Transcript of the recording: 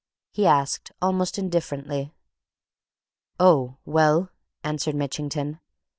he asked, almost indifferently. "Oh, well!" answered Mitchington.